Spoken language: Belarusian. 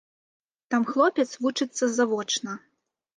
Там хлопец вучыцца завочна.